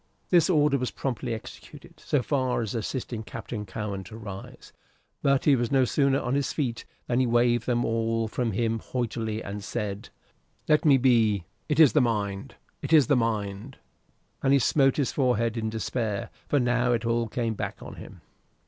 This order was promptly executed, so far as assisting Captain Cowen to rise; but he was no sooner on his feet than he waved them all from him haughtily, and said, "Let me be. It is the mind it is the mind;" and he smote his forehead in despair, for now it all came back on him.